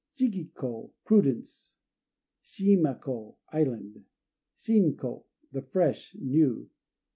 Shiki ko "Prudence." Shima ko "Island." Shin ko "The Fresh," new.